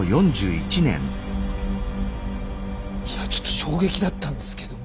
いやちょっと衝撃だったんですけども。